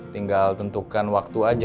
tinggal tentukan waktu aja